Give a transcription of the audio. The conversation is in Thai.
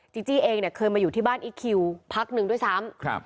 จิ๊กจี้เองเคยมาอยู่ที่บ้านอีกคิวพักนึงด้วยซ้ำ